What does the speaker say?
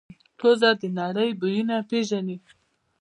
پزه د نړۍ بویونه پېژني.